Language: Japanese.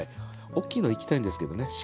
おっきいのいきたいんですけどね。